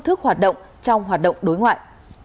thức hoạt động trong hoạt động đối ngoại